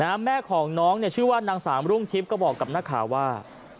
แม่ของน้องเนี่ยชื่อว่านางสามรุ่งทิพย์ก็บอกกับนักข่าวว่า